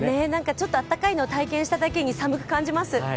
ちょっと暖かいのを体感しただけに寒く感じます。